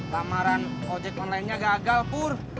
lamaran ojek online nya gagal purr